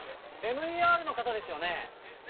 ＭＥＲの方ですよね？